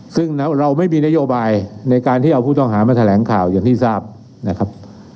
ซึ่งเราไม่มีนโยบายในการที่เอาผู้ต้องหามาแถลงข่าวอย่างที่ทราบนะครับ